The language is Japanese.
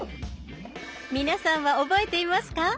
皆さんは覚えていますか？